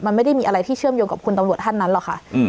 มันไม่ได้มีอะไรที่เชื่อมโยงกับคุณตำรวจท่านนั้นหรอกค่ะ